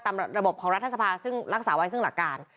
ระบบของรัฐสภาซึ่งรักษาไว้ซึ่งหลักการ